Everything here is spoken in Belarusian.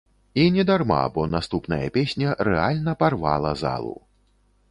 І не дарма, бо наступная песня рэальна парвала залу.